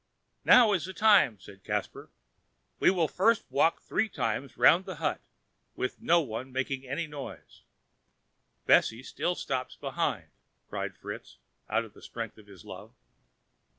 "Now is the time!" said Caspar; "we will first walk three times round the hut, but no one must make any noise!" "Bessy still stops behind!" cried Fritz, out of the strength of his love.